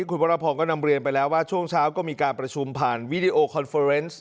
คุณวรพรก็นำเรียนไปแล้วว่าช่วงเช้าก็มีการประชุมผ่านวีดีโอคอนเฟอร์เนส